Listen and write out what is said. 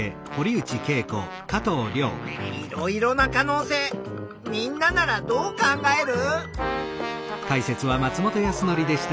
いろいろな可能性みんなならどう考える？